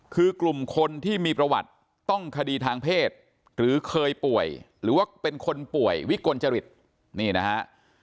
คือกลุ่มคนที่มีประวัติต้องคดีทางเพศหรือเคยป่วยหรือว่าเป็นคนป่วยวิกลจริตนี่นะฮะ